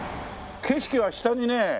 景色は下にね